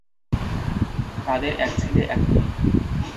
তাদের এক ছেলে এক মেয়ে।